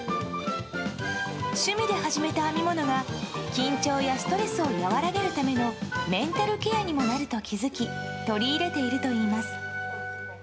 趣味で始めた編み物が緊張やストレスを和らげるためのメンタルケアにもなると気づき取り入れているといいます。